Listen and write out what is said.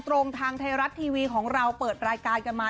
ทางไทยรัฐทีวีของเราเปิดรายการกันมา